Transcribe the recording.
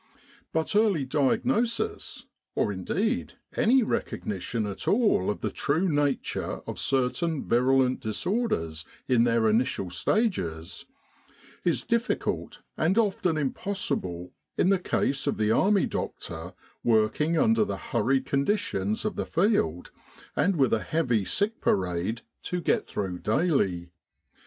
But early diagnosis, or indeed any recognition at all of the true nature of certain virulent disorders in their initial stages, is difficult and often impossible in the case of the army doctor working under the hurried conditions of the field and with a heavy sick parade to get through daily.